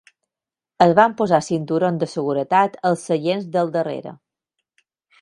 Es van posar cinturons de seguretat als seients del darrere.